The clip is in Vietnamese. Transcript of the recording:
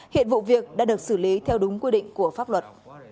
hiện vụ việc đã được xử lý theo đúng quy định của pháp luật